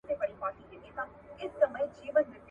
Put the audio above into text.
هغه د خوب په حال کې د کابل د کوڅو خوبونه ویني.